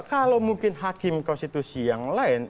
kalau mungkin hakim konstitusi yang lain